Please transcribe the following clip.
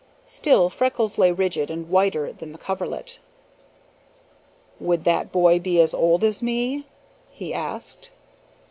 Still Freckles lay rigid and whiter than the coverlet. "Would that boy be as old as me?" he asked.